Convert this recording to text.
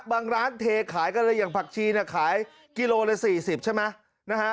บางร้านเทขายกันเลยอย่างผักชีเนี่ยขายกิโลละ๔๐ใช่ไหมนะฮะ